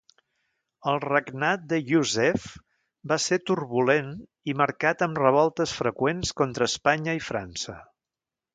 El regnat de Yusef va ser turbulent i marcat amb revoltes freqüents contra Espanya i França.